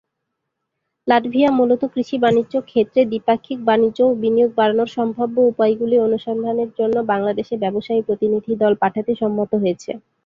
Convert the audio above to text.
Latvia মূলত কৃষি-বাণিজ্য ক্ষেত্রে দ্বিপাক্ষিক বাণিজ্য ও বিনিয়োগ বাড়ানোর সম্ভাব্য উপায়গুলি অনুসন্ধানের জন্য বাংলাদেশে ব্যবসায়ী প্রতিনিধি দল পাঠাতে সম্মত হয়েছে।